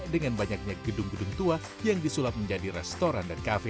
dengan banyaknya gedung gedung tua yang disulap menjadi restoran dan kafe